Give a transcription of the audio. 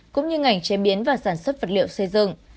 cũng như ngành chế biến và sản xuất vật liệu xây dựng